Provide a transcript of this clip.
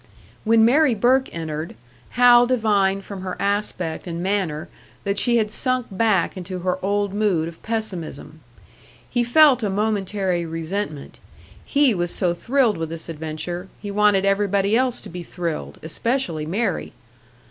When Mary Burke entered, Hal divined from her aspect and manner that she had sunk back into her old mood of pessimism. He felt a momentary resentment. He was so thrilled with this adventure; he wanted everybody else to be thrilled especially Mary!